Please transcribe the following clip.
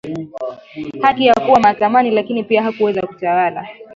haki ya kuwa mahakamani lakini pia hakuweza kutawala